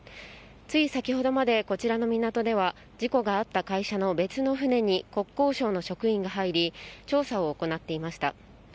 つい先ほどまでこちらの港では、事故があった会社の別の船に国交省の職員が入り、調査を行っていました。